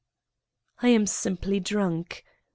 I am simply drunk.